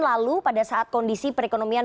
lalu pada saat kondisi perekonomian